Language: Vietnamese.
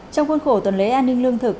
trong khuôn khổ tuần lễ an ninh lương thực